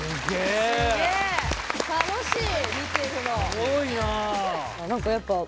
すごいなあ。